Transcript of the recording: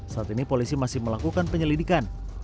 saat ini polisi masih melakukan penyelidikan